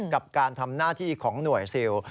กับการทำหน้าที่ของหน่วยซิล